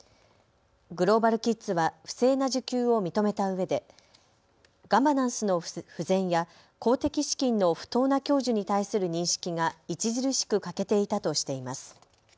グローバルキッズは不正な受給を認めたうえでガバナンスの不全や公的資金の不当な享受に対する認識が著しく欠けていたとしています。